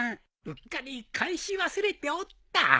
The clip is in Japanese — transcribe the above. うっかり返し忘れておった。